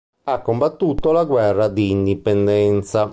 Ha combattuto la guerra di indipendenza.